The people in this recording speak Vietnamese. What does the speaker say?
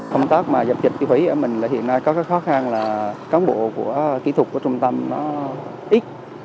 công tác mà dập dịch tiêu hủy ở mình là hiện nay có cái khó khăn là công bộ của kỹ thuật của trung tâm nó ít